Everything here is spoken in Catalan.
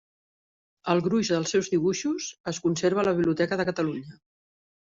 El gruix dels seus dibuixos es conserva a la Biblioteca de Catalunya.